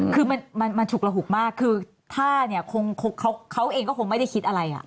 คือมันฉุกระหุกมากคือถ้าเนี่ยเขาเองก็คงไม่ได้คิดอะไร